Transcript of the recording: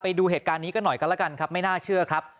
ไปดูเหตุการณ์นี้กันหน่อยกันแล้วกันครับไม่น่าเชื่อครับ